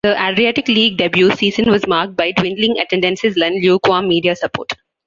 The Adriatic League debut season was marked by dwindling attendances and lukewarm media support.